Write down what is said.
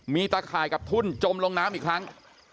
มีตะข่ายกับทุ่นจมลงน้ำอีกครั้ง